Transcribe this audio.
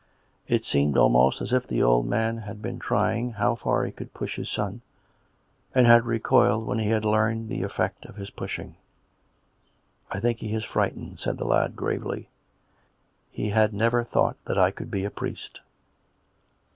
It seemed almost as if the old man had been trying how far he could push his son, and had recoiled when he had learned the effect of his pushing. " I think he is frightened," said the lad gravely. " He had never thought that I could be a priest."